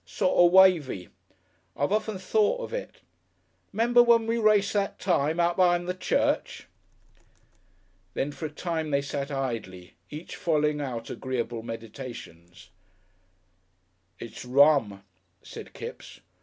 Sort of wavy. I've often thought of it .... 'Member when we raced that time out be'ind the church?" Then for a time they sat idly, each following out agreeable meditations. "It's rum," said Kipps.